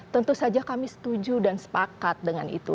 tentu saja kami setuju dan sepakat dengan itu